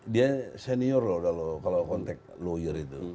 dia senior loh kalau konteks lawyer itu